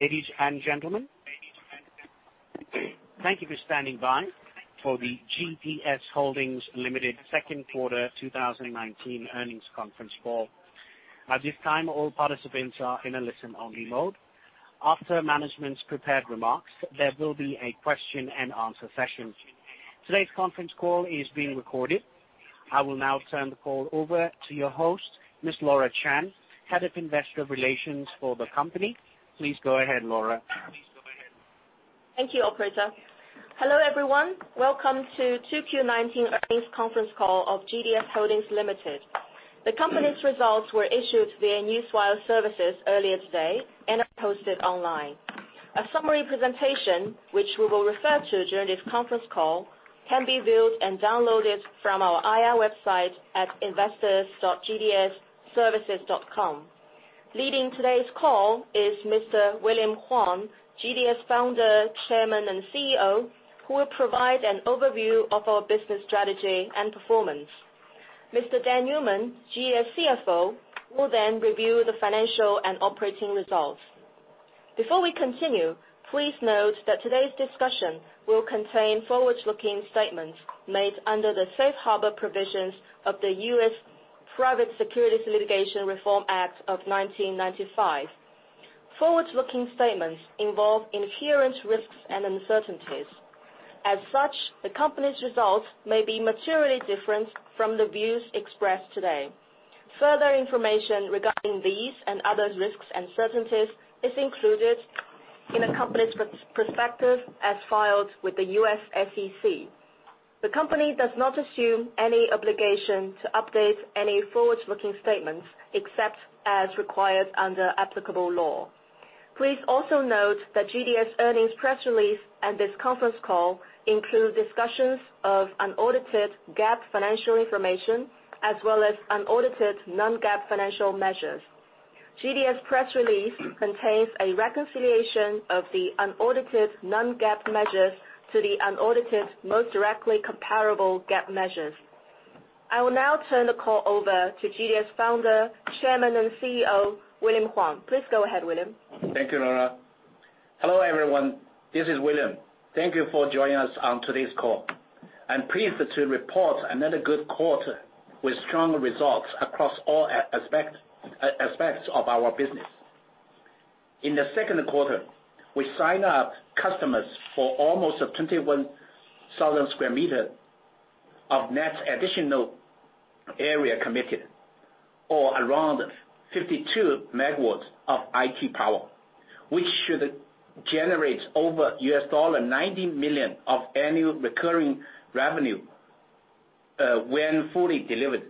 Ladies and gentlemen. Thank you for standing by for the GDS Holdings Limited second quarter 2019 earnings conference call. At this time, all participants are in a listen-only mode. After management's prepared remarks, there will be a question and answer session. Today's conference call is being recorded. I will now turn the call over to your host, Ms. Laura Chen, Head of Investor Relations for the company. Please go ahead, Laura. Thank you, operator. Hello, everyone. Welcome to 2Q19 earnings conference call of GDS Holdings Limited. The company's results were issued via Newswire services earlier today and are posted online. A summary presentation, which we will refer to during this conference call, can be viewed and downloaded from our IR website at investors.gdsservices.com. Leading today's call is Mr. William Huang, GDS Founder, Chairman, and CEO, who will provide an overview of our business strategy and performance. Mr. Dan Newman, GDS CFO, will review the financial and operating results. Before we continue, please note that today's discussion will contain forward-looking statements made under the Safe Harbor provisions of the U.S. Private Securities Litigation Reform Act of 1995. Forward-looking statements involve inherent risks and uncertainties. As such, the company's results may be materially different from the views expressed today. Further information regarding these and other risks and uncertainties is included in the company's prospectus as filed with the U.S. SEC. The company does not assume any obligation to update any forward-looking statements, except as required under applicable law. Please also note that GDS earnings press release and this conference call include discussions of unaudited GAAP financial information, as well as unaudited non-GAAP financial measures. GDS press release contains a reconciliation of the unaudited non-GAAP measures to the unaudited most directly comparable GAAP measures. I will now turn the call over to GDS Founder, Chairman, and CEO, William Huang. Please go ahead, William. Thank you, Laura. Hello, everyone. This is William. Thank you for joining us on today's call. I'm pleased to report another good quarter with strong results across all aspects of our business. In the second quarter, we signed up customers for almost 21,000 sq m of net additional area committed or around 52 MW of IT power, which should generate over $90 million of annual recurring revenue, when fully delivered.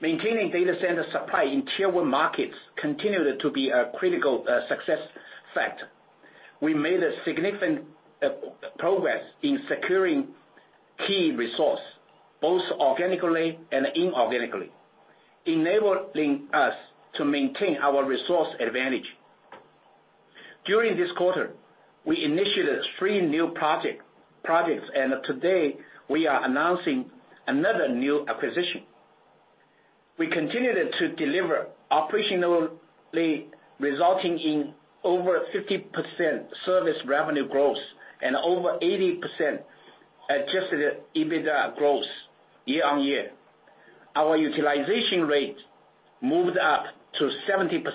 Maintaining data center supply in Tier 1 markets continued to be a critical success factor. We made significant progress in securing key resource, both organically and inorganically, enabling us to maintain our resource advantage. During this quarter, we initiated three new projects. Today we are announcing another new acquisition. We continued to deliver operationally, resulting in over 50% service revenue growth and over 80% adjusted EBITDA growth year-on-year. Our utilization rate moved up to 70%,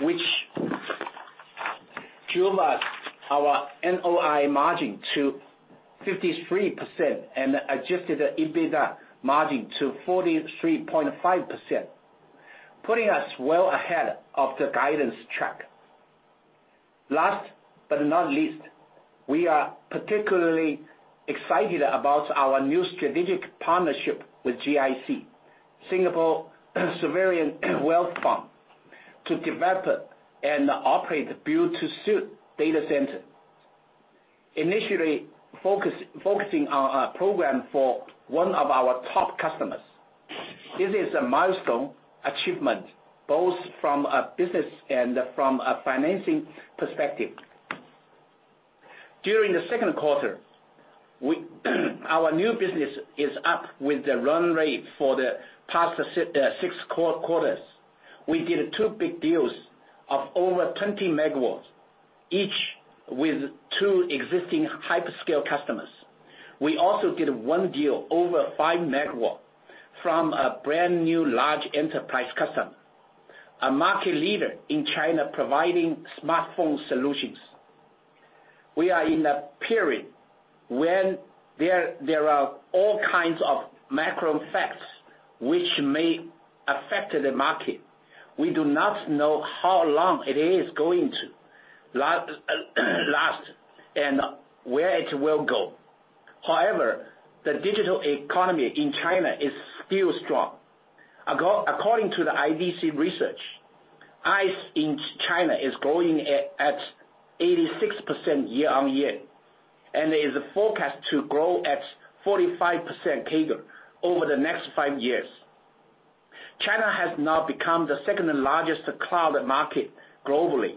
which drove our NOI margin to 53% and adjusted EBITDA margin to 43.5%, putting us well ahead of the guidance track. Last but not least, we are particularly excited about our new strategic partnership with GIC, Singapore Sovereign Wealth Fund, to develop and operate the build-to-suit data center. Initially focusing on a program for one of our top customers. This is a milestone achievement, both from a business and from a financing perspective. During the second quarter, our new business is up with the run rate for the past six core quarters. We did two big deals of over 20 MW, each with two existing hyperscale customers. We also did one deal over five MW from a brand-new large enterprise customer, a market leader in China providing smartphone solutions. We are in a period when there are all kinds of macro effects which may affect the market. We do not know how long it is going to last and where it will go. However, the digital economy in China is still strong. According to the IDC research, IaaS in China is growing at 86% year-on-year, and is forecast to grow at 45% CAGR over the next five years. China has now become the second-largest cloud market globally.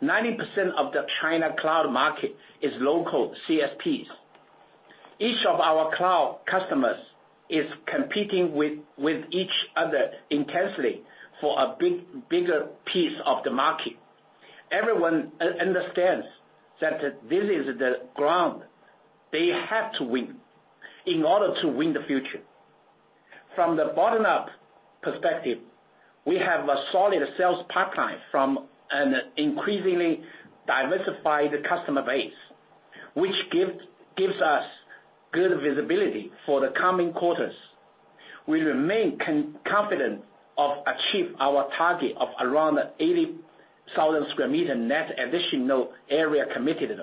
90% of the China cloud market is local CSPs. Each of our cloud customers is competing with each other intensely for a bigger piece of the market. Everyone understands that this is the ground they have to win in order to win the future. From the bottom-up perspective, we have a solid sales pipeline from an increasingly diversified customer base, which gives us good visibility for the coming quarters. We remain confident of achieve our target of around 80,000 sq m net additional area committed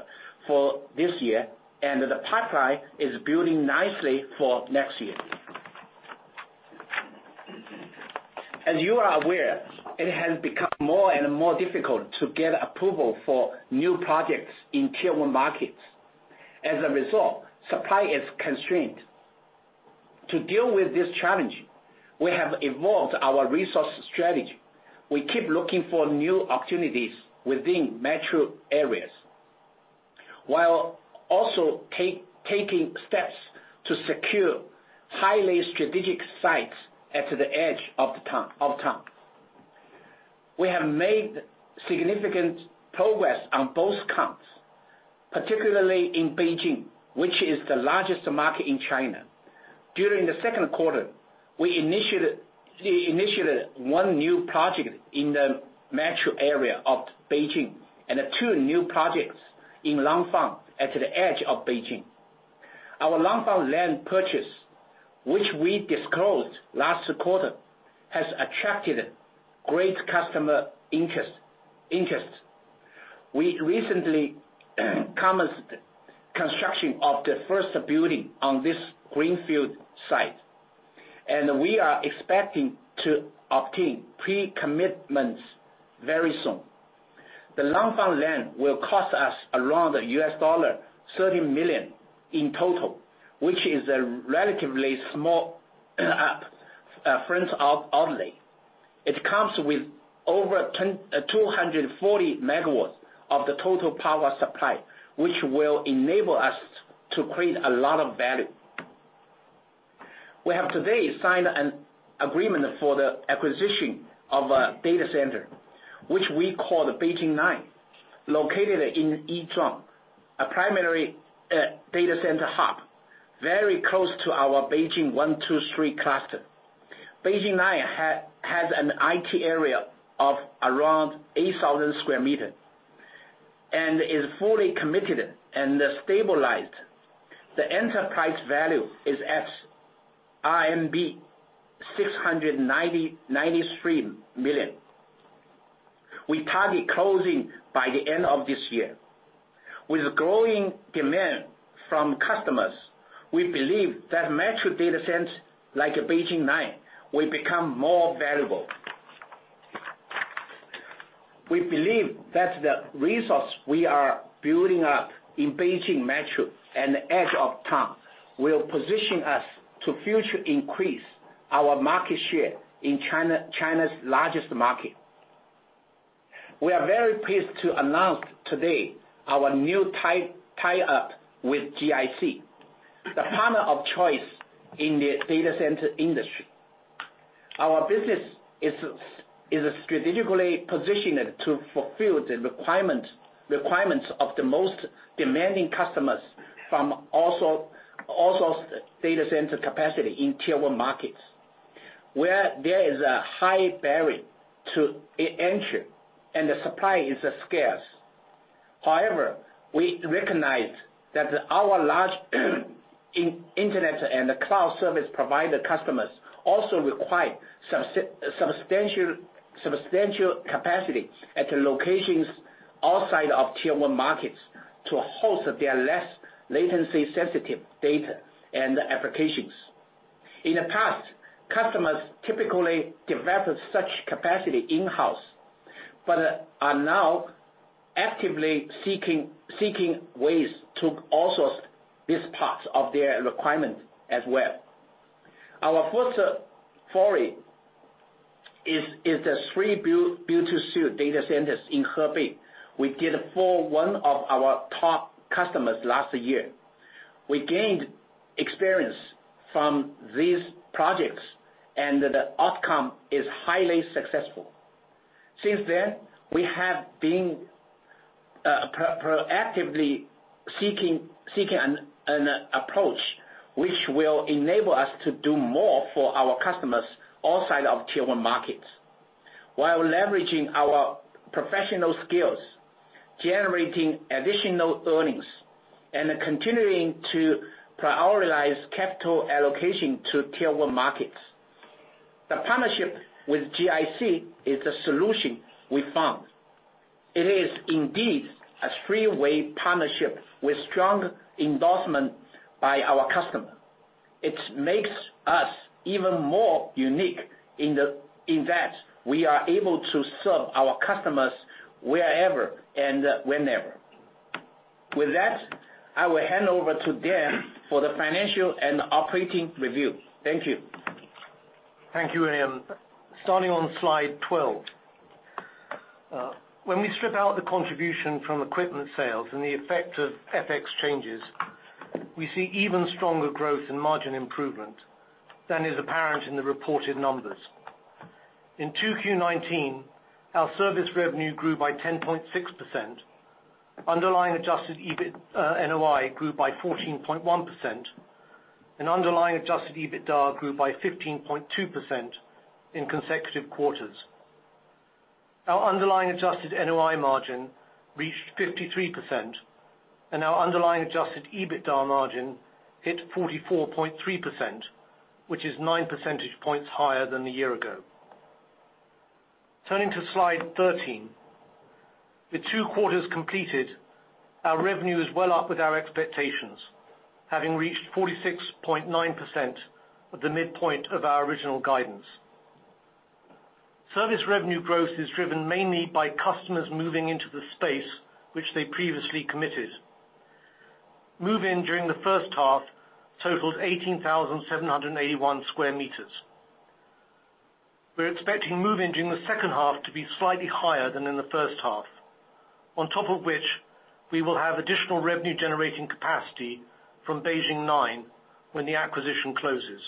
for this year, and the pipeline is building nicely for next year. As you are aware, it has become more and more difficult to get approval for new projects in Tier 1 markets. As a result, supply is constrained. To deal with this challenge, we have evolved our resource strategy. We keep looking for new opportunities within metro areas, while also taking steps to secure highly strategic sites at the edge of town. We have made significant progress on both counts, particularly in Beijing, which is the largest market in China. During the second quarter, we initiated one new project in the metro area of Beijing, and two new projects in Langfang at the edge of Beijing. Our Langfang land purchase, which we disclosed last quarter, has attracted great customer interest. We recently commenced construction of the first building on this greenfield site, and we are expecting to obtain pre-commitments very soon. The Langfang land will cost us around $30 million in total, which is a relatively small upfront outlay. It comes with over 240 MW of the total power supply, which will enable us to create a lot of value. We have today signed an agreement for the acquisition of a data center, which we call the Beijing 9, located in Yizhuang, a primary data center hub, very close to our Beijing One, Two, Three cluster. Beijing 9 has an IT area of around 8,000 sq m and is fully committed and stabilized. The enterprise value is at RMB 693 million. We target closing by the end of this year. With growing demand from customers, we believe that metro data centers like Beijing 9 will become more valuable. We believe that the resource we are building up in Beijing metro and edge of town will position us to future increase our market share in China's largest market. We are very pleased to announce today our new tie-up with GIC, the partner of choice in the data center industry. Our business is strategically positioned to fulfill the requirements of the most demanding customers from all sorts of data center capacity in Tier 1 markets, where there is a high barrier to entry, and the supply is scarce. However, we recognize that our large internet and cloud service provider customers also require substantial capacity at locations outside of Tier 1 markets to host their less latency-sensitive data and applications. In the past, customers typically developed such capacity in-house, but are now actively seeking ways to outsource this part of their requirement as well. Our first foray is the three built-to-suit data centers in Hebei we did for one of our top customers last year. We gained experience from these projects, and the outcome is highly successful. Since then, we have been proactively seeking an approach which will enable us to do more for our customers outside of Tier 1 markets while leveraging our professional skills, generating additional earnings, and continuing to prioritize capital allocation to Tier 1 markets. The partnership with GIC is a solution we found. It is indeed a three-way partnership with strong endorsement by our customer. It makes us even more unique in that we are able to serve our customers wherever and whenever. With that, I will hand over to Dan for the financial and operating review. Thank you. Thank you, William. Starting on Slide 12, when we strip out the contribution from equipment sales and the effect of FX changes, we see even stronger growth in margin improvement than is apparent in the reported numbers. In 2Q 2019, our service revenue grew by 10.6%. Underlying adjusted NOI grew by 14.1%, and underlying adjusted EBITDA grew by 15.2% in consecutive quarters. Our underlying adjusted NOI margin reached 53%, and our underlying adjusted EBITDA margin hit 44.3%, which is nine percentage points higher than a year ago. Turning to Slide 13. With two quarters completed, our revenue is well up with our expectations, having reached 46.9% of the midpoint of our original guidance. Service revenue growth is driven mainly by customers moving into the space which they previously committed. Move-in during the first half totaled 18,781 sq m. We're expecting move-in during the second half to be slightly higher than in the first half. On top of which, we will have additional revenue-generating capacity from Beijing 9 when the acquisition closes.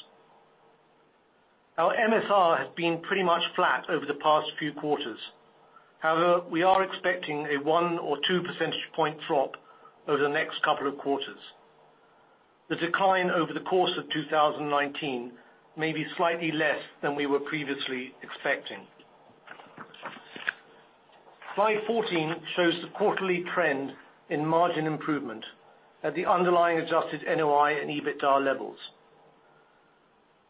Our MSR has been pretty much flat over the past few quarters. However, we are expecting a one or two percentage point drop over the next couple of quarters. The decline over the course of 2019 may be slightly less than we were previously expecting. Slide 14 shows the quarterly trend in margin improvement at the underlying adjusted NOI and EBITDA levels.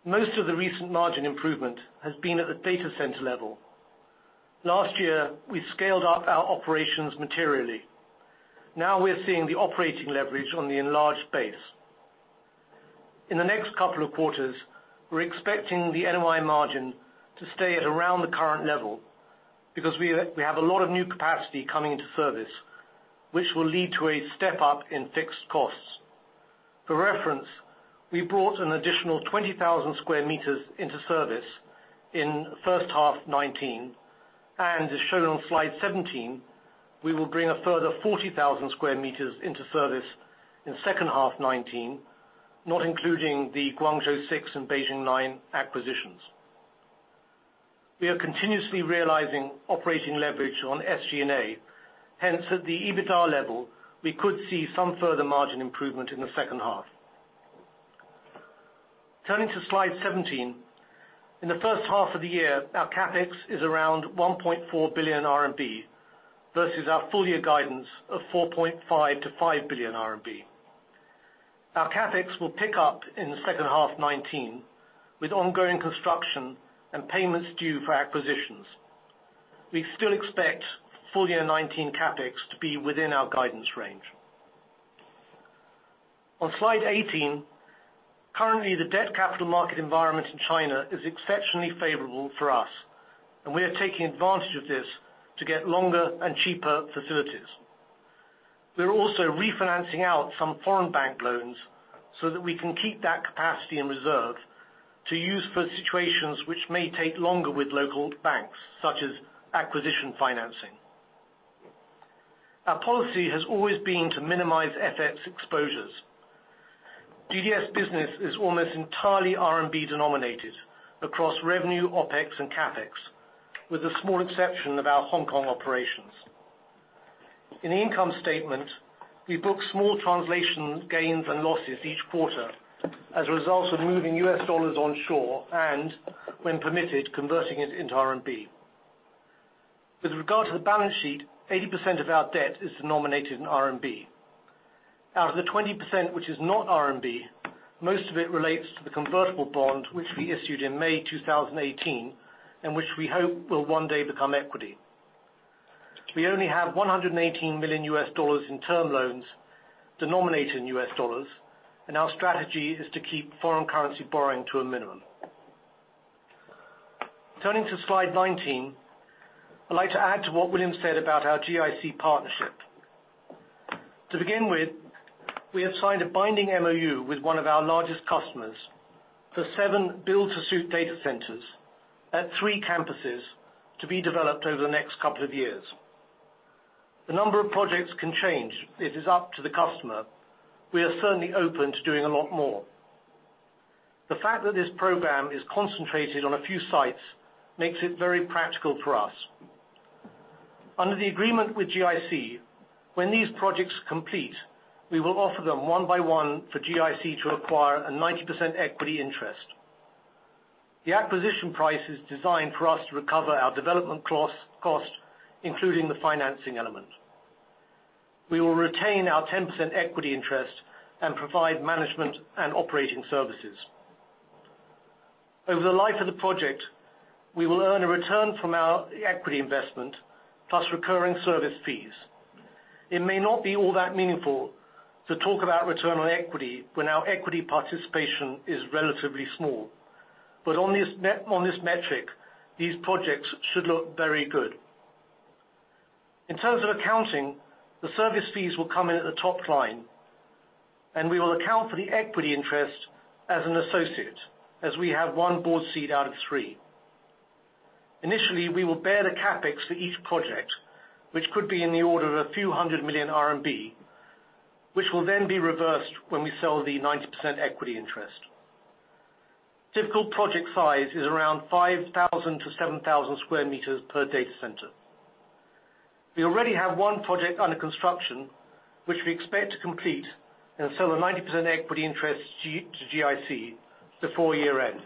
Most of the recent margin improvement has been at the data center level. Last year, we scaled up our operations materially. Now we're seeing the operating leverage on the enlarged base. In the next couple of quarters, we're expecting the NOI margin to stay at around the current level because we have a lot of new capacity coming into service, which will lead to a step up in fixed costs. For reference, we brought an additional 20,000 sq m into service in first half 2019, and as shown on slide 17, we will bring a further 40,000 sq m into service in second half 2019, not including the Guangzhou 6 and Beijing 9 acquisitions. We are continuously realizing operating leverage on SG&A. Hence, at the EBITDA level, we could see some further margin improvement in the second half. Turning to slide 17. In the first half of the year, our CapEx is around 1.4 billion RMB versus our full year guidance of 4.5 billion-5 billion RMB. Our CapEx will pick up in the second half 2019 with ongoing construction and payments due for acquisitions. We still expect full year 2019 CapEx to be within our guidance range. On slide 18, currently, the debt capital market environment in China is exceptionally favorable for us. We are taking advantage of this to get longer and cheaper facilities. We're also refinancing out some foreign bank loans that we can keep that capacity in reserve to use for situations which may take longer with local banks, such as acquisition financing. Our policy has always been to minimize FX exposures. GDS business is almost entirely RMB denominated across revenue, OpEx, and CapEx, with the small exception of our Hong Kong operations. In the income statement, we book small translation gains and losses each quarter as a result of moving US dollars onshore, when permitted, converting it into RMB. With regard to the balance sheet, 80% of our debt is denominated in RMB. Out of the 20%, which is not RMB, most of it relates to the convertible bond which we issued in May 2018, which we hope will one day become equity. We only have $118 million in term loans denominated in US dollars. Our strategy is to keep foreign currency borrowing to a minimum. Turning to slide 19, I'd like to add to what William said about our GIC partnership. To begin with, we have signed a binding MoU with one of our largest customers for seven build-to-suit data centers at three campuses to be developed over the next couple of years. The number of projects can change. It is up to the customer. We are certainly open to doing a lot more. The fact that this program is concentrated on a few sites makes it very practical for us. Under the agreement with GIC, when these projects complete, we will offer them one by one for GIC to acquire a 90% equity interest. The acquisition price is designed for us to recover our development cost, including the financing element. We will retain our 10% equity interest and provide management and operating services. Over the life of the project, we will earn a return from our equity investment plus recurring service fees. It may not be all that meaningful to talk about return on equity when our equity participation is relatively small. On this metric, these projects should look very good. In terms of accounting, the service fees will come in at the top line. We will account for the equity interest as an associate as we have one board seat out of three. Initially, we will bear the CapEx for each project, which could be in the order of RMB a few hundred million, which will then be reversed when we sell the 90% equity interest. Typical project size is around 5,000-7,000 sq m per data center. We already have one project under construction, which we expect to complete and sell a 90% equity interest to GIC before year-end.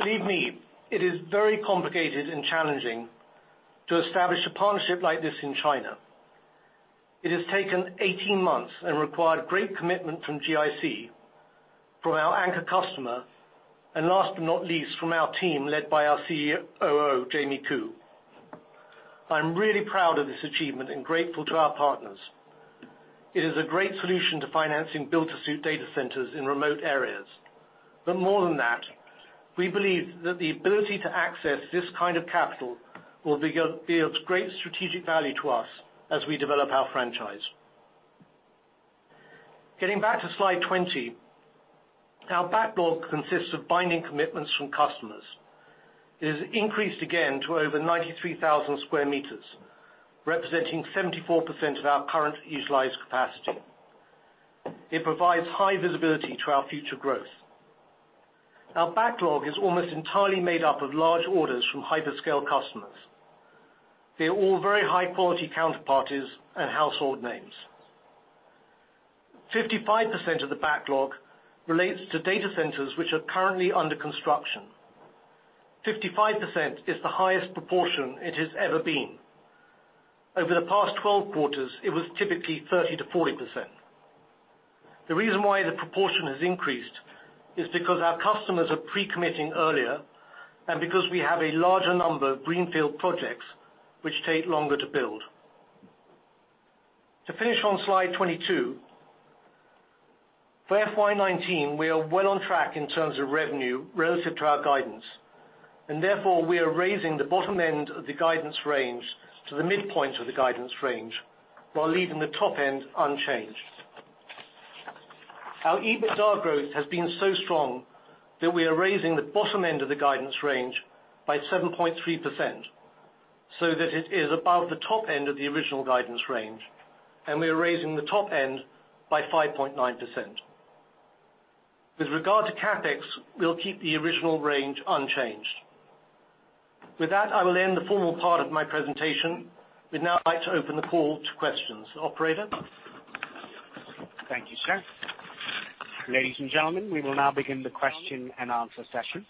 Believe me, it is very complicated and challenging to establish a partnership like this in China. It has taken 18 months and required great commitment from GIC, from our anchor customer, and last but not least, from our team led by our COO, Jamie Koo. I'm really proud of this achievement and grateful to our partners. It is a great solution to financing built-to-suit data centers in remote areas. More than that, we believe that the ability to access this kind of capital will be of great strategic value to us as we develop our franchise. Getting back to slide 20, our backlog consists of binding commitments from customers. It has increased again to over 93,000 sq m, representing 74% of our current utilized capacity. It provides high visibility to our future growth. Our backlog is almost entirely made up of large orders from hyperscale customers. They are all very high-quality counterparties and household names. 55% of the backlog relates to data centers which are currently under construction. 55% is the highest proportion it has ever been. Over the past 12 quarters, it was typically 30%-40%. The reason why the proportion has increased is because our customers are pre-committing earlier and because we have a larger number of greenfield projects which take longer to build. To finish on slide 22, for FY 2019, we are well on track in terms of revenue relative to our guidance. Therefore, we are raising the bottom end of the guidance range to the midpoint of the guidance range while leaving the top end unchanged. Our EBITDA growth has been so strong that we are raising the bottom end of the guidance range by 7.3%, so that it is above the top end of the original guidance range. We are raising the top end by 5.9%. With regard to CapEx, we will keep the original range unchanged. With that, I will end the formal part of my presentation. We would now like to open the call to questions. Operator. Thank you, sir. Ladies and gentlemen, we will now begin the question and answer session.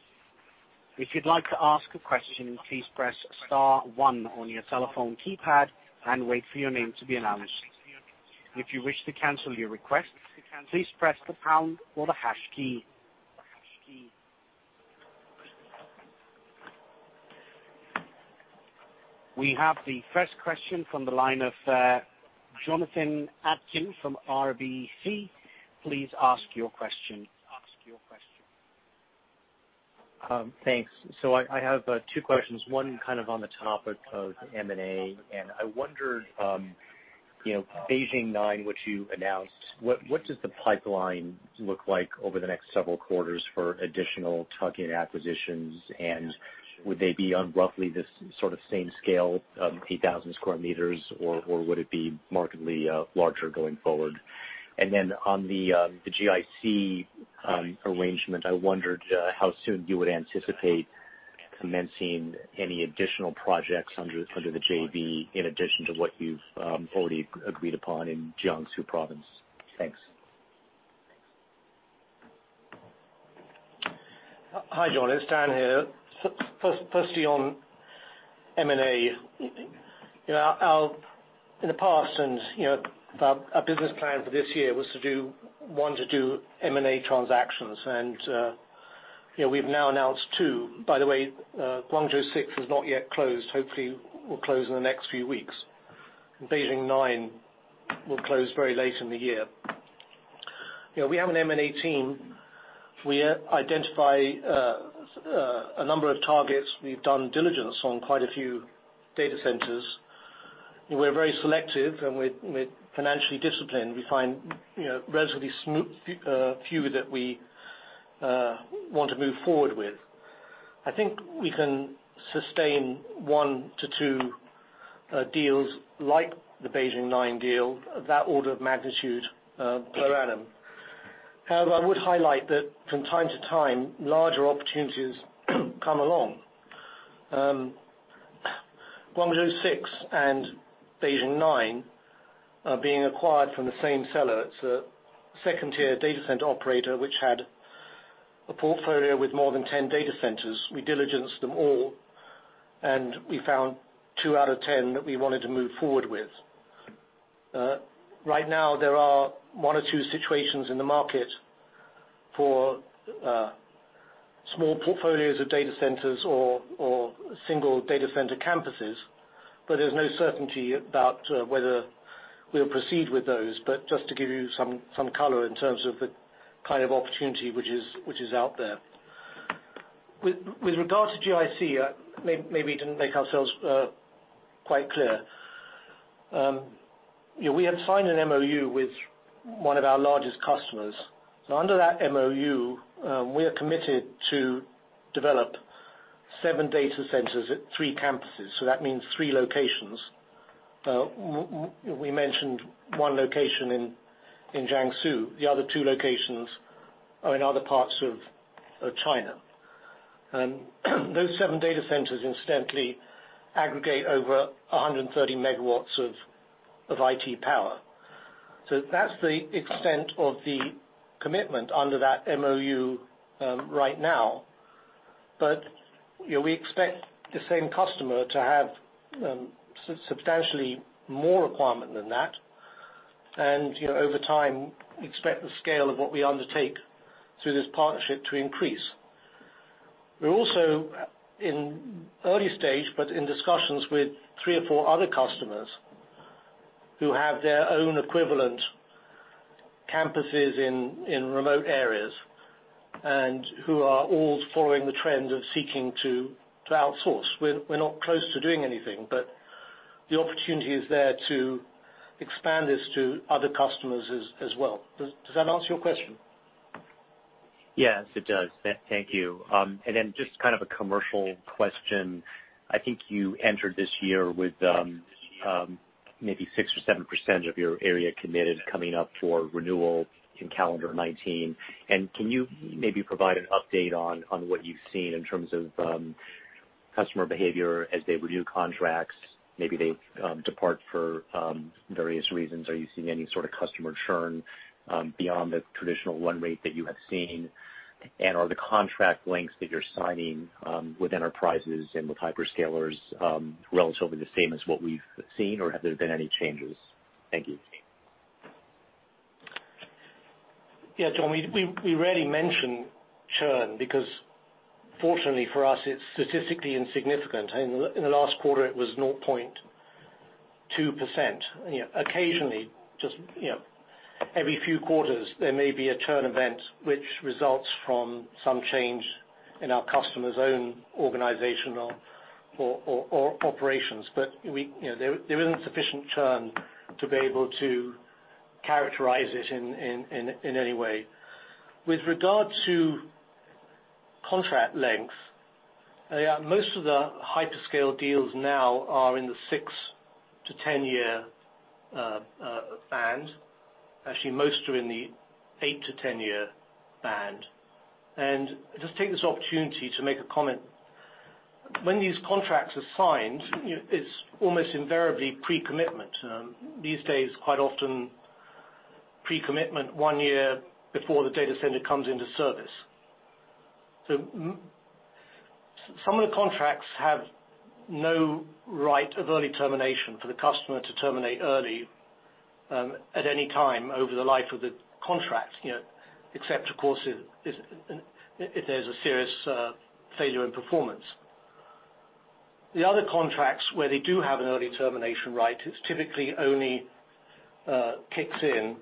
If you'd like to ask a question, please press star one on your telephone keypad and wait for your name to be announced. If you wish to cancel your request, please press the pound or the hash key. We have the first question from the line of Jonathan Atkin from RBC. Please ask your question. Thanks. I have two questions, one kind of on the topic of M&A. I wondered, Beijing 9, which you announced, what does the pipeline look like over the next several quarters for additional tuck-in acquisitions? Would they be on roughly the same scale of 8,000 square meters, or would it be markedly larger going forward? Then on the GIC arrangement, I wondered how soon you would anticipate commencing any additional projects under the JV in addition to what you've already agreed upon in Jiangsu province. Thanks. Hi, John. It's Dan here. On M&A. In the past, our business plan for this year was to do one to two M&A transactions. We've now announced two. By the way, Guangzhou 6 has not yet closed. Hopefully, we'll close in the next few weeks. Beijing 9 will close very late in the year. We have an M&A team. We identify a number of targets. We've done diligence on quite a few data centers. We're very selective, and we're financially disciplined. We find relatively smooth few that we want to move forward with. I think we can sustain one to two deals like the Beijing 9 deal, that order of magnitude per annum. However, I would highlight that from time to time, larger opportunities come along. Guangzhou 6 and Beijing 9 are being acquired from the same seller. It's a second-tier data center operator which had a portfolio with more than 10 data centers. We diligenced them all, and we found two out of 10 that we wanted to move forward with. Right now, there are one or two situations in the market for small portfolios of data centers or single data center campuses, but there's no certainty about whether we'll proceed with those. Just to give you some color in terms of the kind of opportunity which is out there. With regard to GIC, maybe we didn't make ourselves quite clear. We have signed an MOU with one of our largest customers. Under that MOU, we are committed to develop seven data centers at three campuses, so that means three locations. We mentioned one location in Jiangsu. The other two locations are in other parts of China. Those seven data centers incidentally aggregate over 130 MW of IT power. That's the extent of the commitment under that MoU right now. We expect the same customer to have substantially more requirement than that. Over time, we expect the scale of what we undertake through this partnership to increase. We're also in early stage, but in discussions with three or four other customers who have their own equivalent campuses in remote areas, and who are all following the trend of seeking to outsource. We're not close to doing anything, but the opportunity is there to expand this to other customers as well. Does that answer your question? Yes, it does. Thank you. Just kind of a commercial question. I think you entered this year with maybe 6% or 7% of your area committed coming up for renewal in calendar 2019. Can you maybe provide an update on what you've seen in terms of customer behavior as they renew contracts? Maybe they depart for various reasons. Are you seeing any sort of customer churn beyond the traditional run rate that you have seen? Are the contract lengths that you're signing with enterprises and with hyperscalers relatively the same as what we've seen, or have there been any changes? Thank you. John, we rarely mention churn because fortunately for us, it's statistically insignificant. In the last quarter it was 0.2%. Occasionally, just every few quarters, there may be a churn event which results from some change in our customer's own organizational or operations. There isn't sufficient churn to be able to characterize it in any way. With regard to contract length, most of the hyperscale deals now are in the 6 to 10-year band. Actually, most are in the 8 to 10-year band. Just take this opportunity to make a comment. When these contracts are signed, it's almost invariably pre-commitment. These days, quite often pre-commitment one year before the data center comes into service. Some of the contracts have no right of early termination for the customer to terminate early at any time over the life of the contract, except of course, if there's a serious failure in performance. The other contracts where they do have an early termination right, it typically only kicks in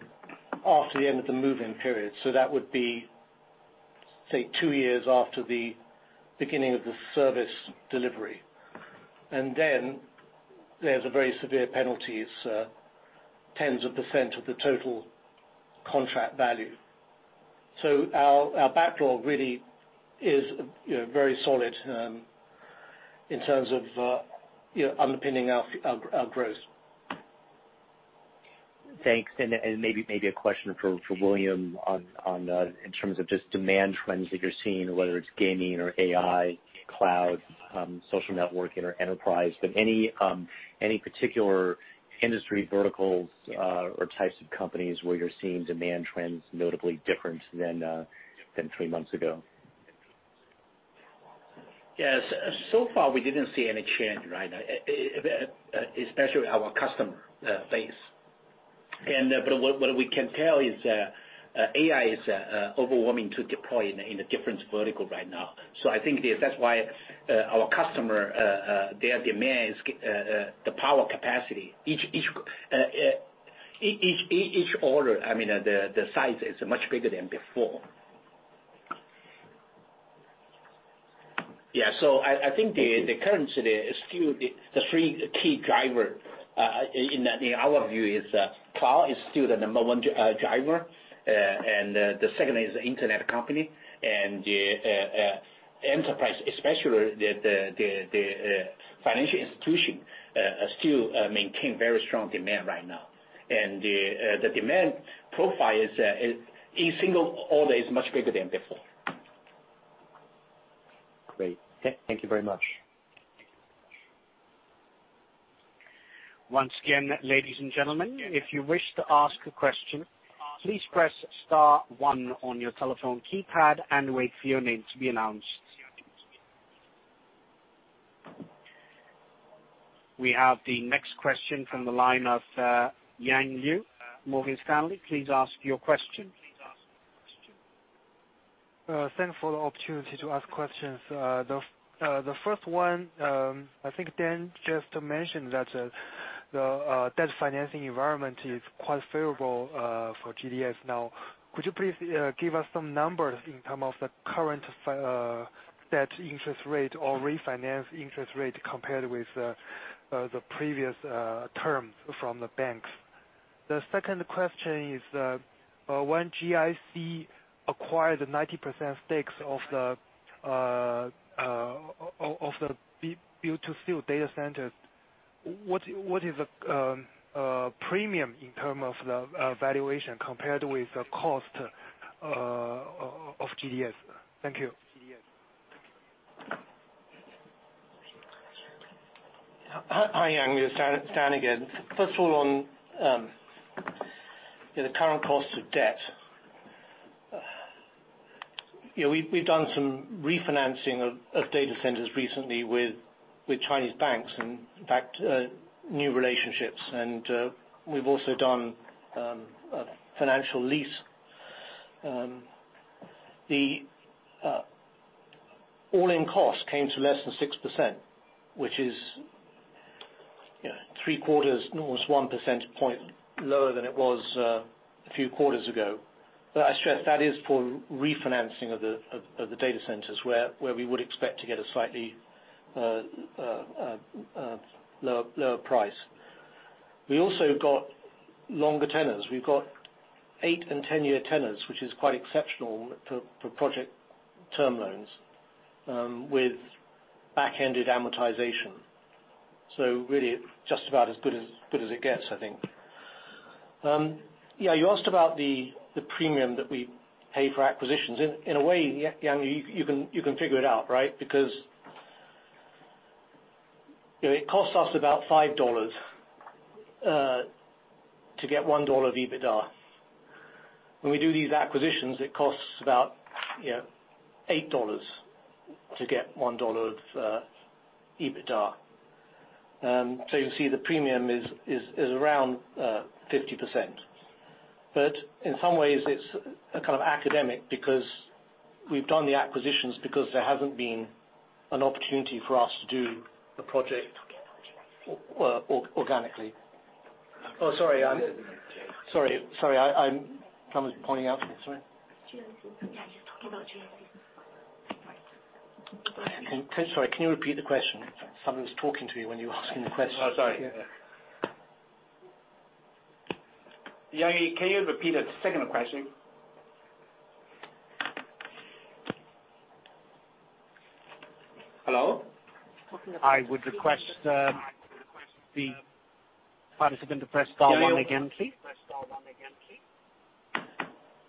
after the end of the move-in period. That would be, say, two years after the beginning of the service delivery. Then there's very severe penalties, tens of percent of the total contract value. Our backlog really is very solid in terms of underpinning our growth. Thanks. Maybe a question for William in terms of just demand trends that you're seeing, whether it's gaming or AI, cloud, social networking or enterprise. Any particular industry verticals or types of companies where you're seeing demand trends notably different than three months ago? Yes. So far we didn't see any change, especially our customer base. What we can tell is AI is overwhelming to deploy in the different vertical right now. I think that's why our customer, their demand is the power capacity. Each order, the size is much bigger than before. I think currently the three key driver in our view is cloud is still the number 1 driver. The second is the internet company and the enterprise, especially the financial institution, still maintain very strong demand right now. The demand profile in a single order is much bigger than before. Great. Thank you very much. Once again, ladies and gentlemen, if you wish to ask a question, please press star one on your telephone keypad and wait for your name to be announced. We have the next question from the line of Yang Liu, Morgan Stanley. Please ask your question. Thanks for the opportunity to ask questions. The first one, I think Dan just mentioned that. The debt financing environment is quite favorable for GDS now. Could you please give us some numbers in terms of the current debt interest rate or refinance interest rate compared with the previous terms from the banks? The second question is, when GIC acquired the 90% stakes of the build-to-suit data center, what is the premium in terms of the valuation compared with the cost of GDS? Thank you. Hi, Yang. It's Dan again. First of all, on the current cost of debt. We've done some refinancing of data centers recently with Chinese banks, and in fact, new relationships. We've also done a financial lease. The all-in cost came to less than 6%, which is three quarters, almost one percentage point lower than it was a few quarters ago. I stress that is for refinancing of the data centers, where we would expect to get a slightly lower price. We also got longer tenors. We've got eight and 10-year tenors, which is quite exceptional for project term loans with back-ended amortization. Really just about as good as it gets, I think. You asked about the premium that we pay for acquisitions. In a way, Yang, you can figure it out, right? It costs us about RMB 5 to get RMB 1 of EBITDA. When we do these acquisitions, it costs about RMB 8 to get RMB 1 of EBITDA. You can see the premium is around 50%. In some ways, it's kind of academic because we've done the acquisitions because there hasn't been an opportunity for us to do the project organically. Oh, sorry. Someone's pointing out to me. Sorry. Yeah, you're talking about GIC. Right. Sorry, can you repeat the question? Someone was talking to me when you were asking the question. Oh, sorry. Yeah. Yang, can you repeat the second question? Hello? I would request the participant to press star one again, please.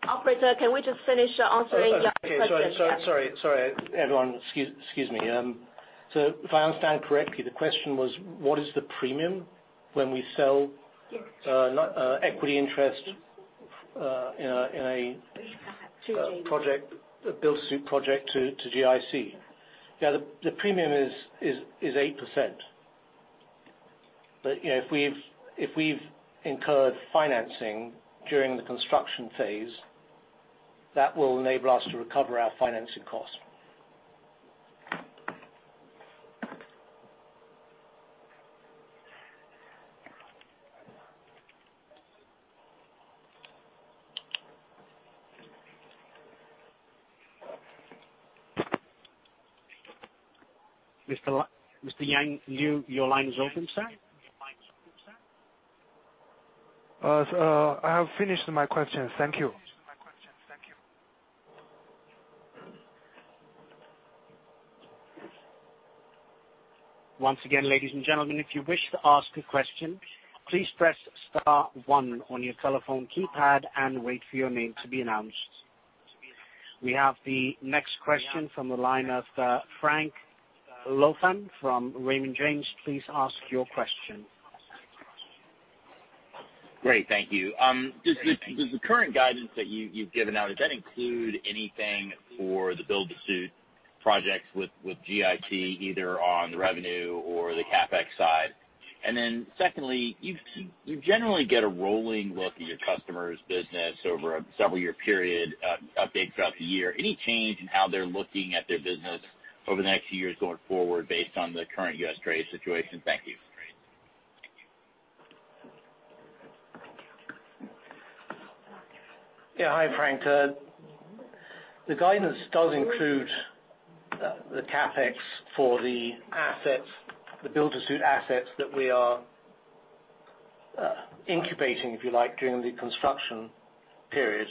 Operator, can we just finish answering Yang's question? Sorry, everyone. Excuse me. If I understand correctly, the question was what is the premium when we sell equity interest in a build-to-suit project to GIC? The premium is 8%. If we've incurred financing during the construction phase, that will enable us to recover our financing costs. Mr. Yang Liu, your line is open, sir. I have finished my questions. Thank you. Once again, ladies and gentlemen, if you wish to ask a question, please press star one on your telephone keypad and wait for your name to be announced. We have the next question from the line of Frank Louthan from Raymond James. Please ask your question. Great. Thank you. Does the current guidance that you've given out, does that include anything for the build-to-suit projects with GIC, either on the revenue or the CapEx side? Secondly, you generally get a rolling look at your customers' business over a several year period, update throughout the year. Any change in how they're looking at their business over the next few years going forward based on the current U.S. trade situation? Thank you. Hi, Frank. The guidance does include the CapEx for the build-to-suit assets that we are incubating, if you like, during the construction period.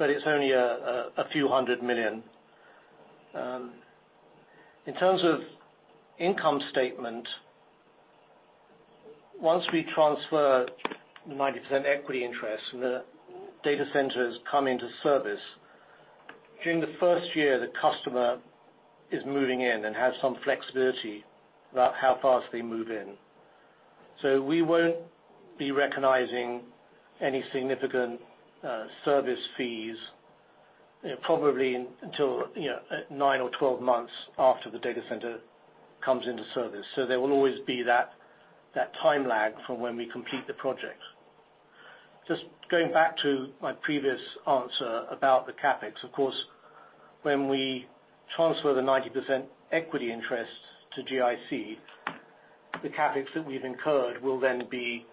It's only RMB a few hundred million. In terms of income statement, once we transfer 90% equity interest and the data centers come into service, during the first year, the customer is moving in and has some flexibility about how fast they move in. We won't be recognizing any significant service fees probably until nine or 12 months after the data center comes into service. There will always be that time lag from when we complete the project. Just going back to my previous answer about the CapEx. Of course, when we transfer the 90% equity interest to GIC, the CapEx that we've incurred will then be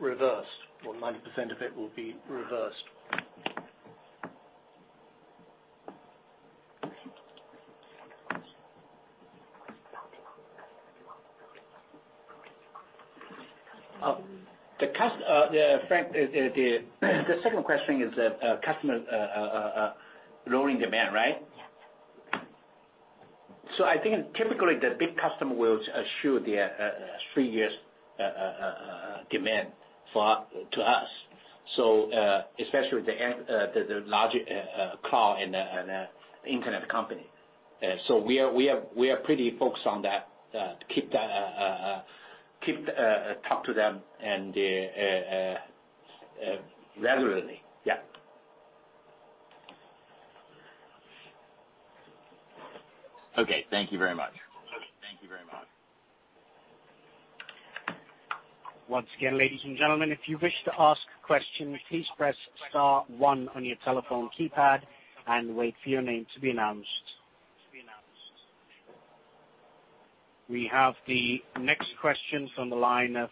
reversed, or 90% of it will be reversed. The second question is customer rolling demand, right? Yes. I think typically the big customer will assure their three years demand to us, especially the large cloud and internet company. We are pretty focused on that, keep talk to them regularly. Yeah. Okay. Thank you very much. Once again, ladies and gentlemen, if you wish to ask questions, please press star one on your telephone keypad and wait for your name to be announced. We have the next question from the line of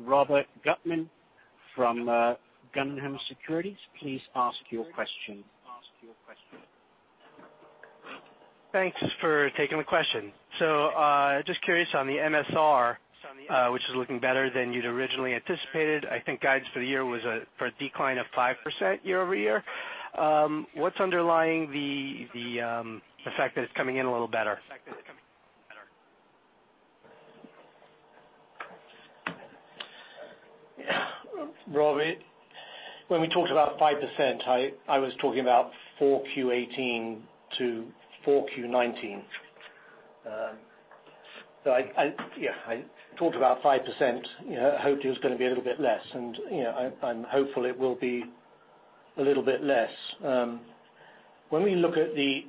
Robert Gutman from Guggenheim Securities. Please ask your question. Thanks for taking the question. Just curious on the MSR, which is looking better than you'd originally anticipated. I think guidance for the year was for a decline of 5% year-over-year. What's underlying the fact that it's coming in a little better? Robert, when we talked about 5%, I was talking about 4Q18 to 4Q19. I talked about 5%, hoped it was going to be a little bit less, and I'm hopeful it will be a little bit less. When we look at the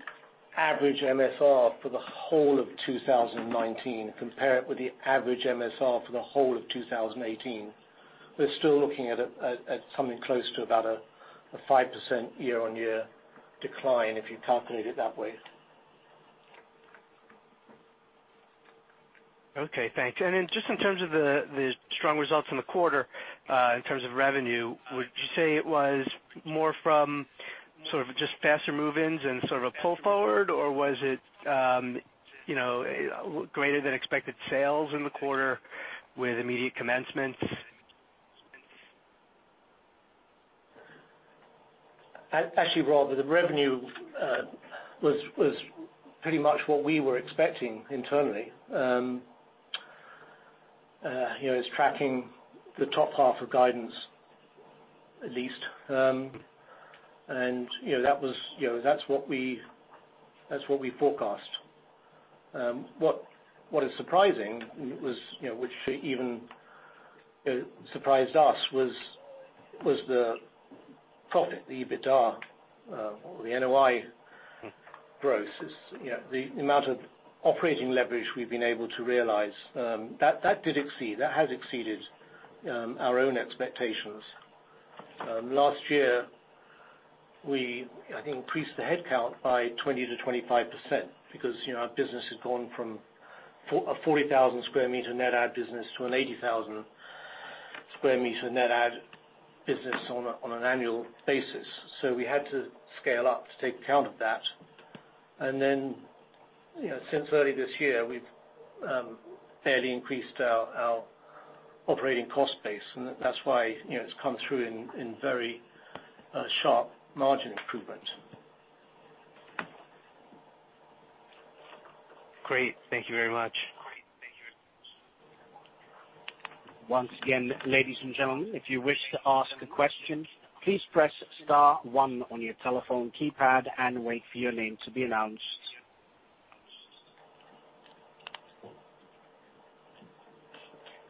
average MSR for the whole of 2019, compare it with the average MSR for the whole of 2018, we're still looking at something close to about a 5% year-on-year decline if you calculate it that way. Okay, thanks. Just in terms of the strong results in the quarter in terms of revenue, would you say it was more from sort of just faster move-ins and sort of a pull forward, or was it greater than expected sales in the quarter with immediate commencement? Actually, Robert, the revenue was pretty much what we were expecting internally. It's tracking the top half of guidance at least. That's what we forecast. What is surprising, which even surprised us, was the profit, the EBITDA or the NOI growth. The amount of operating leverage we've been able to realize. That has exceeded our own expectations. Last year, we, I think, increased the headcount by 20%-25% because our business has gone from a 40,000 sq m net add business to an 80,000 sq m net add business on an annual basis. We had to scale up to take account of that. Then, since early this year, we've barely increased our operating cost base, and that's why it's come through in very sharp margin improvement. Great. Thank you very much. Once again, ladies and gentlemen, if you wish to ask a question, please press star one on your telephone keypad and wait for your name to be announced.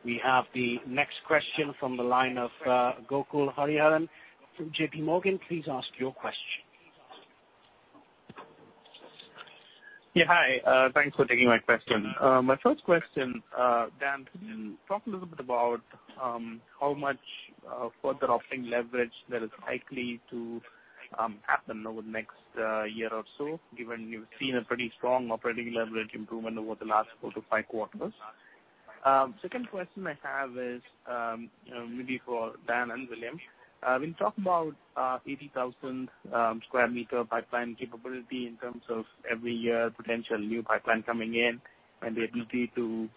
We have the next question from the line of Gokul Hariharan from J.P. Morgan. Please ask your question. Hi. Thanks for taking my question. My first question, Dan, can you talk a little bit about how much further operating leverage that is likely to happen over the next year or so, given you've seen a pretty strong operating leverage improvement over the last four to five quarters? Second question I have is maybe for Dan and William. When you talk about 80,000 sq m pipeline capability in terms of every year potential new pipeline coming in and the ability to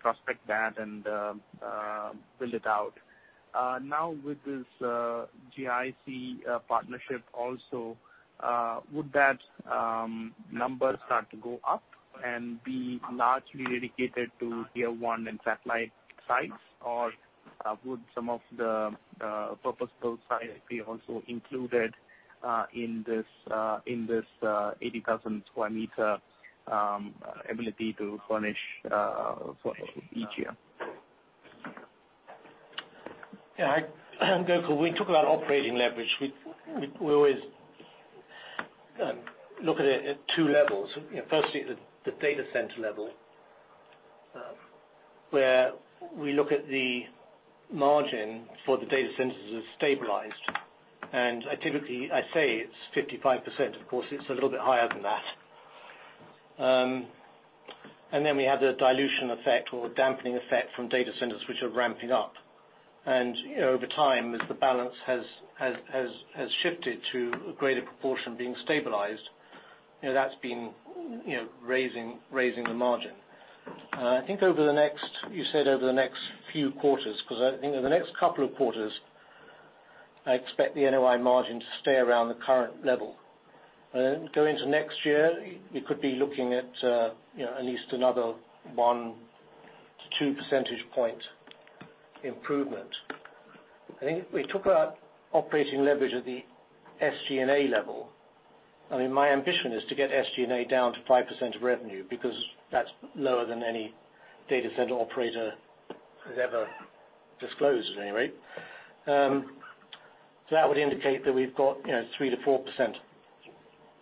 prospect that and build it out. Now with this GIC partnership also, would that number start to go up and be largely dedicated to Tier 1 and satellite sites? Or would some of the purpose-built site be also included in this 80,000 sq m ability to furnish for each year? Yeah. Gokul, we talk about operating leverage. Look at it at 2 levels. Firstly, the data center level, where we look at the margin for the data centers as stabilized, and typically, I say it's 55%. Of course, it's a little bit higher than that. We have the dilution effect or dampening effect from data centers which are ramping up. Over time, as the balance has shifted to a greater proportion being stabilized, that's been raising the margin. I think over the next, you said over the next few quarters, because I think in the next couple of quarters, I expect the NOI margin to stay around the current level. Going into next year, we could be looking at least another 1 to 2 percentage points improvement. I think if we talk about operating leverage at the SG&A level, my ambition is to get SG&A down to 5% of revenue because that's lower than any data center operator has ever disclosed at any rate. That would indicate that we've got 3%-4%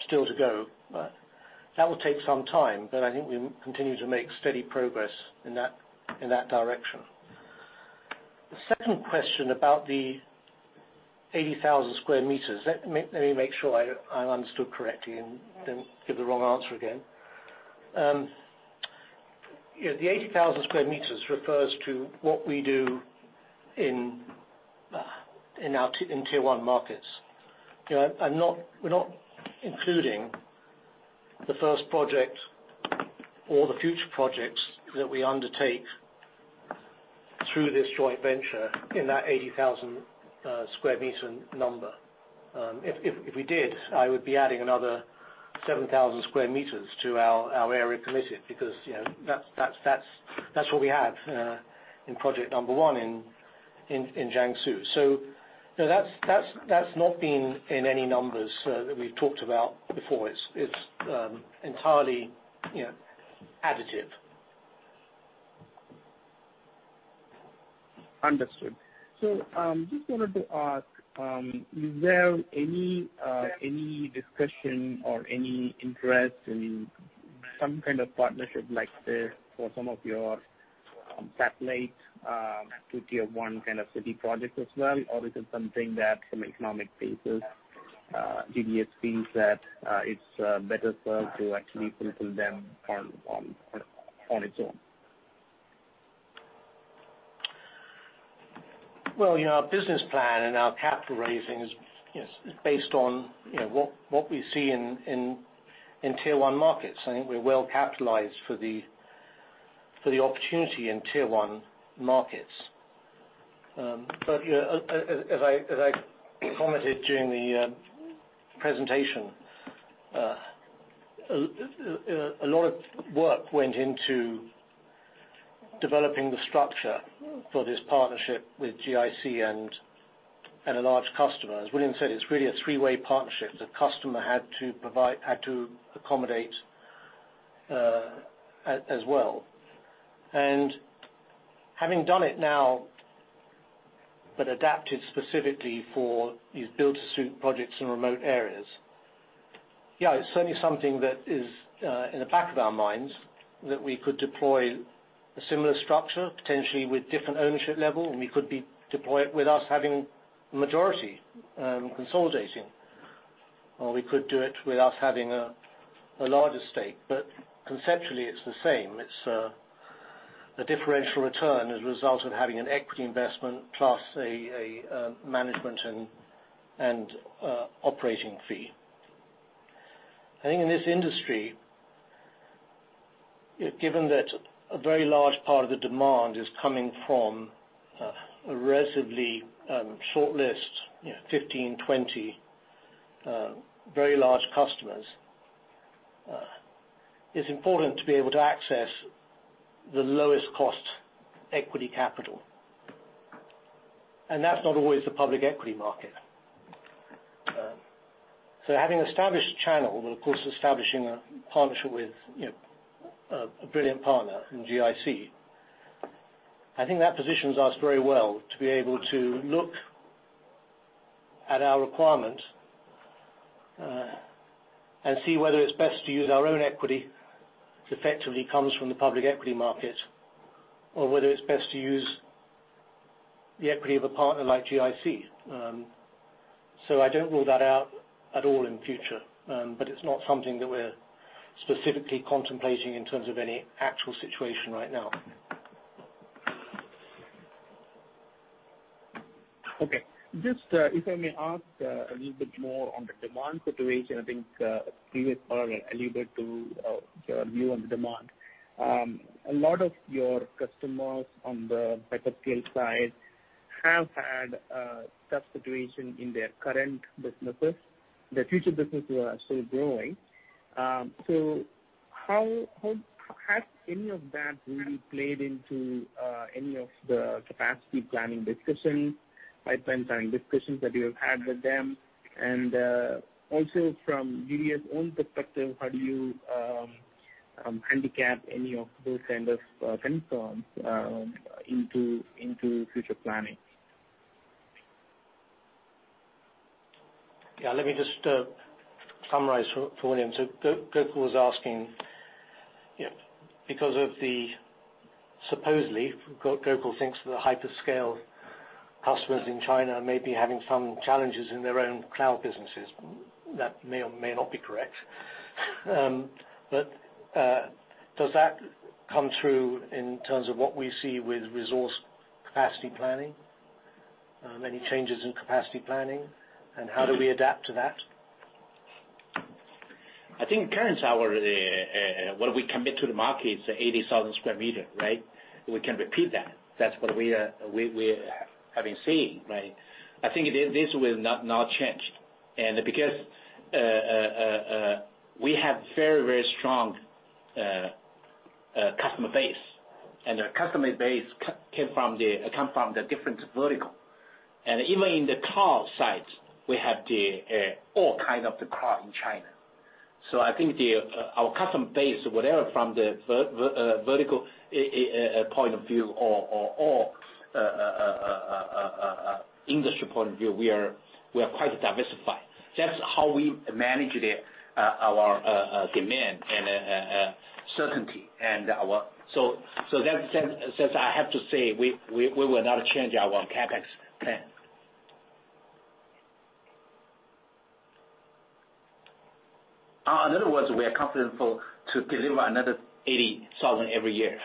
still to go. That will take some time, but I think we continue to make steady progress in that direction. The second question about the 80,000 sq m. Let me make sure I understood correctly and don't give the wrong answer again. The 80,000 sq m refers to what we do in Tier 1 markets. We're not including the first project or the future projects that we undertake through this joint venture in that 80,000 sq m number. If we did, I would be adding another 7,000 square meters to our area committed because that's what we have in project number 1 in Jiangsu. That's not been in any numbers that we've talked about before. It's entirely additive. Understood. Just wanted to ask, is there any discussion or any interest in some kind of partnership like this for some of your satellite to Tier 1 kind of city projects as well? Is it something that from economic basis, GDS feels that it's better served to actually fulfill them on its own? Well, our business plan and our capital raising is based on what we see in Tier 1 markets. I think we're well capitalized for the opportunity in Tier 1 markets. As I commented during the presentation, a lot of work went into developing the structure for this partnership with GIC and a large customer. As William said, it's really a three-way partnership. The customer had to accommodate as well. Having done it now, but adapted specifically for these build-to-suit projects in remote areas. Yeah, it's certainly something that is in the back of our minds that we could deploy a similar structure, potentially with different ownership level, and we could deploy it with us having majority consolidating, or we could do it with us having a larger stake. Conceptually, it's the same. It's a differential return as a result of having an equity investment plus a management and operating fee. I think in this industry, given that a very large part of the demand is coming from a relatively short list, 15, 20 very large customers, it's important to be able to access the lowest cost equity capital. That's not always the public equity market. Having established channel, of course, establishing a partnership with a brilliant partner in GIC, I think that positions us very well to be able to look at our requirement and see whether it's best to use our own equity that effectively comes from the public equity market or whether it's best to use the equity of a partner like GIC. I don't rule that out at all in future. It's not something that we're specifically contemplating in terms of any actual situation right now. Okay. Just if I may ask a little bit more on the demand situation, I think a previous caller alluded to your view on the demand. A lot of your customers on the hyperscale side have had a tough situation in their current businesses. Their future businesses are still growing. Has any of that really played into any of the capacity planning discussions, pipeline planning discussions that you have had with them? Also from GDS own perspective, how do you handicap any of those kind of concerns into future planning? Yeah. Let me just summarize for William. Gokul was asking, because supposedly Gokul thinks that the hyperscale customers in China may be having some challenges in their own cloud businesses. That may or may not be correct. Does that come through in terms of what we see with resource capacity planning? Any changes in capacity planning? How do we adapt to that? I think currently, what we commit to the market is 80,000 sq m, right? We can repeat that. That's what we have been seeing, right? I think this will not change. Because we have very strong customer base, and the customer base come from the different vertical. Even in the cloud sites, we have all kind of the cloud in China. I think our customer base, whatever, from the vertical point of view or industry point of view, we are quite diversified. That's how we manage our demand and certainty. Since I have to say, we will not change our CapEx plan. In other words, we are confident to deliver another 80,000 sq m every year.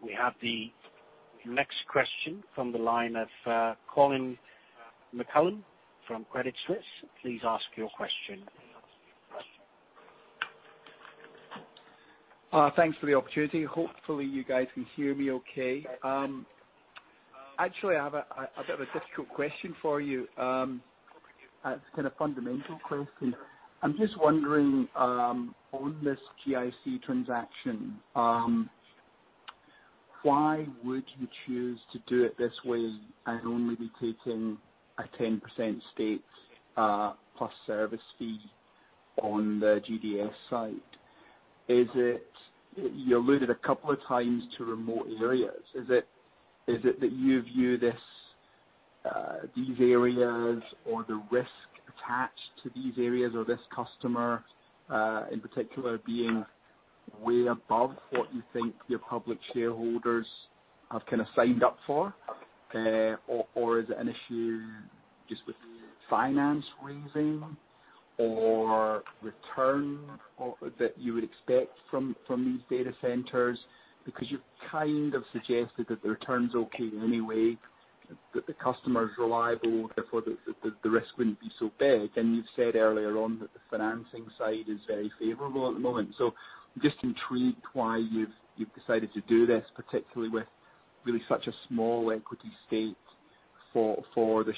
We have the next question from the line of Colin McCallum from Credit Suisse. Please ask your question. Thanks for the opportunity. Hopefully, you guys can hear me okay. Actually, I have a bit of a difficult question for you. It's kind of fundamental question. I'm just wondering, on this GIC transaction, why would you choose to do it this way and only be taking a 10% stake plus service fee on the GDS site? You alluded a couple of times to remote areas. Is it that you view these areas or the risk attached to these areas or this customer, in particular, being way above what you think your public shareholders have kind of signed up for? Or is it an issue just with finance raising or return that you would expect from these data centers? You've kind of suggested that the return's okay anyway, that the customer's reliable, therefore the risk wouldn't be so big. You've said earlier on that the financing side is very favorable at the moment. I'm just intrigued why you've decided to do this, particularly with really such a small equity stake for the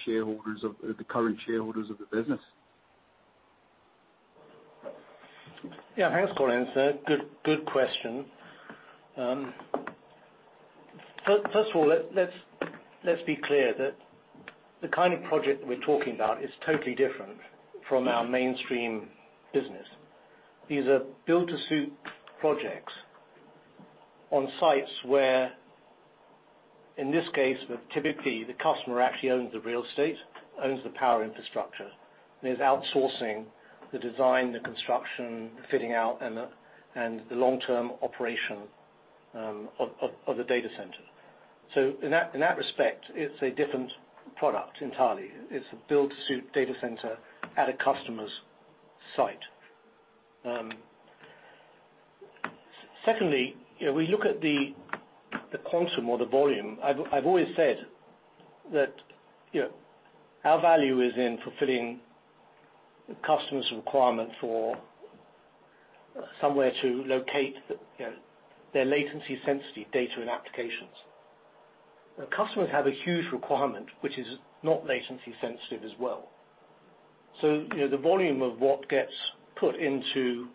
current shareholders of the business. Thanks, Colin. Good question. First of all, let's be clear that the kind of project we're talking about is totally different from our mainstream business. These are built-to-suit projects on sites where, in this case, typically, the customer actually owns the real estate, owns the power infrastructure, and is outsourcing the design, the construction, the fitting out, and the long-term operation of the data center. In that respect, it's a different product entirely. It's a built-to-suit data center at a customer's site. Secondly, we look at the quantum or the volume. I've always said that our value is in fulfilling the customer's requirement for somewhere to locate their latency-sensitive data and applications. The customers have a huge requirement, which is not latency sensitive as well. The volume of what gets put into,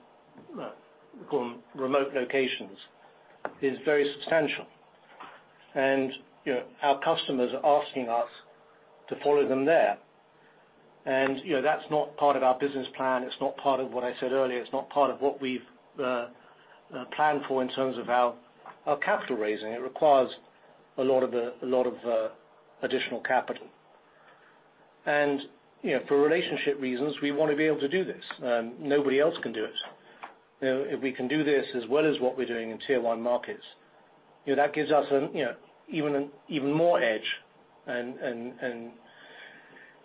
call them remote locations, is very substantial. Our customers are asking us to follow them there. That's not part of our business plan. It's not part of what I said earlier. It's not part of what we've planned for in terms of our CapEx raising. It requires a lot of additional capital. For relationship reasons, we want to be able to do this. Nobody else can do it. If we can do this as well as what we're doing in Tier 1 markets, that gives us even more edge and,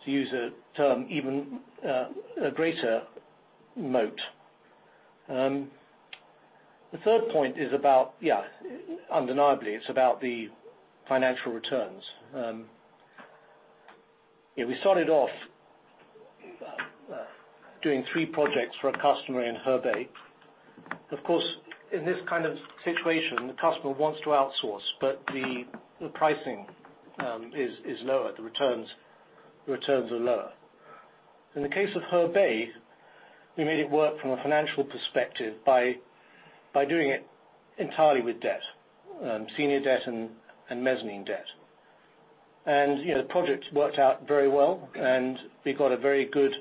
to use a term, even a greater moat. The third point is about, undeniably, it's about the financial returns. We started off doing three projects for a customer in Hebei. Of course, in this kind of situation, the customer wants to outsource, but the pricing is lower, the returns are lower. In the case of Hebei, we made it work from a financial perspective by doing it entirely with debt, senior debt and mezzanine debt. The project worked out very well, and we got a very good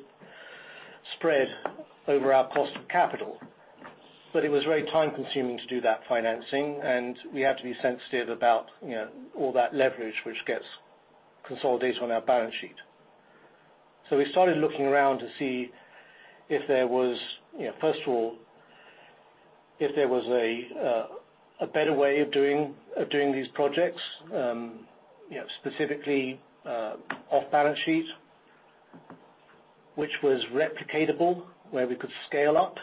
spread over our cost of capital. It was very time-consuming to do that financing, and we had to be sensitive about all that leverage which gets consolidated on our balance sheet. We started looking around to see if there was, first of all, a better way of doing these projects, specifically off balance sheet, which was replicatable, where we could scale up,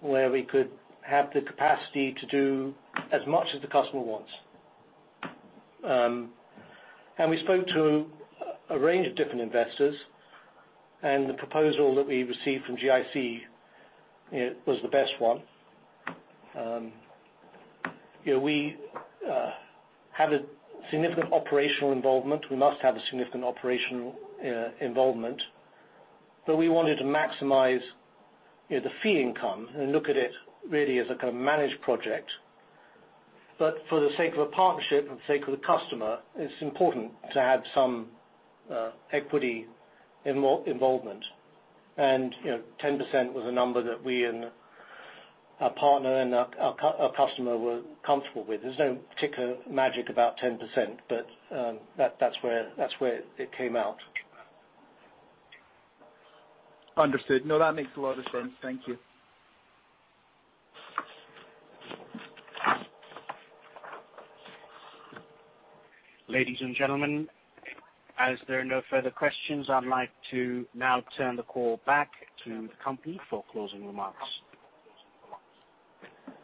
where we could have the capacity to do as much as the customer wants. We spoke to a range of different investors, and the proposal that we received from GIC was the best one. We have a significant operational involvement. We must have a significant operational involvement, but we wanted to maximize the fee income and look at it really as a kind of managed project. For the sake of a partnership, for the sake of the customer, it's important to have some equity involvement. 10% was a number that we and our partner and our customer were comfortable with. There's no particular magic about 10%, but that's where it came out. Understood. No, that makes a lot of sense. Thank you. Ladies and gentlemen, as there are no further questions, I'd like to now turn the call back to the company for closing remarks.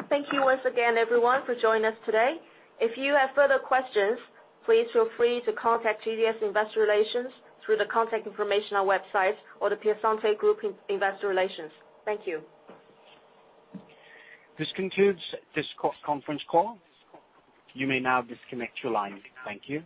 Thank you once again, everyone, for joining us today. If you have further questions, please feel free to contact GDS Investor Relations through the contact information on our website or The Piacente Group Investor Relations. Thank you. This concludes this conference call. You may now disconnect your line. Thank you.